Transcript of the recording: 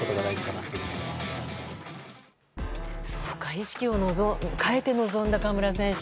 意識を変えて臨んだ河村選手。